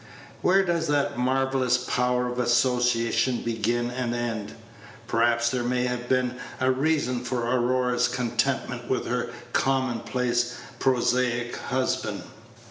Where does that marvellous power of association begin and end? Perhaps there may have been a reason for Aurora's contentment with her commonplace prosaic husband.